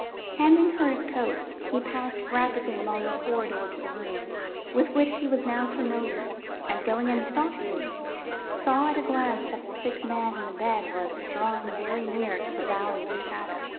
Handing her his coat, he passed rapidly along the corridor to the room, with which he was now familiar; and, going in softly, saw at a glance that the sick man in the bed was drawing very near to the Valley of the Shadow.